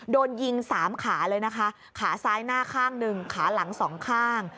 โดนยิงสามขาเลยนะคะขาซ้ายหน้าข้างหนึ่งขาหลังสองข้าง